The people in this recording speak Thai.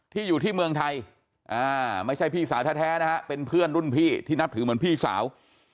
อยู่ที่เมืองไทยไม่ใช่พี่สาวแท้นะฮะเป็นเพื่อนรุ่นพี่ที่นับถือเหมือนพี่สาว